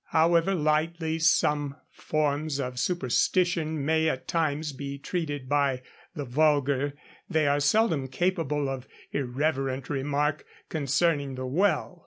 However lightly some forms of superstition may at times be treated by the vulgar, they are seldom capable of irreverent remark concerning the well.